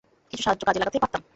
কিছু সাহায্য কাজে লাগাতে পারতাম।